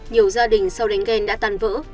nhiều gia đình sau đánh ghen đã tàn vỡ